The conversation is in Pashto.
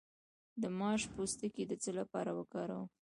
د ماش پوستکی د څه لپاره وکاروم؟